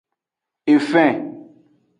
Efen.